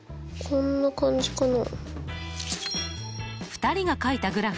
こんな感じかな？